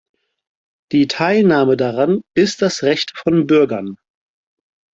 Die Teilnahme daran ist das Recht von Bürgern.